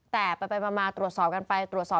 แต่ไปมาตรวจสอบกันไป